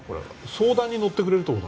相談に乗ってくれるってこと？